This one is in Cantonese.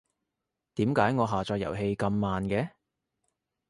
點解我下載遊戲咁慢嘅？